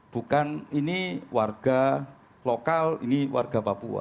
bukan ini warga lokal ini warga papua